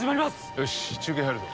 よし中継入るぞ。